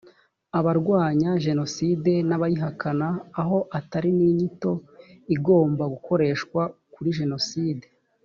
abarwnya jenoside n’abayihakana aho atari n’inyito igomba gukoreshwa kuri jenoside